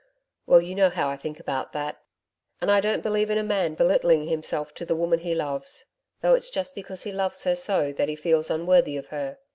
Well you know how I think about that. And I don't believe in a man belittling himself to the woman he loves, though it's just because he loves her so that he feels unworthy of her.